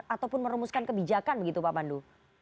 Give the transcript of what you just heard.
ataupun merumuskan kebijakan begitu pak pandu